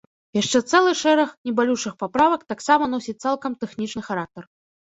Яшчэ цэлы шэраг небалючых паправак таксама носіць цалкам тэхнічны характар.